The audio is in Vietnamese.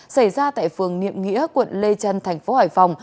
xảy ra tại phường niệm nghĩa quận lê trân tp hcm